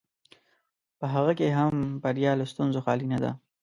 په هغه کې هم بریا له ستونزو خالي نه ده.